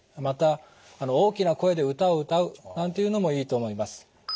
また大きな声で歌を歌うなんていうのもいいと思います。